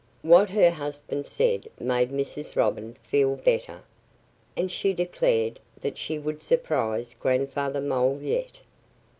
What her husband said made Mrs. Robin feel better. And she declared that she would surprise Grandfather Mole yet.